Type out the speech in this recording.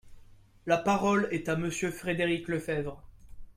La parole est à Monsieur Frédéric Lefebvre.